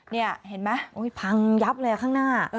นี่เห็นไหมพังยับเลยข้างหน้า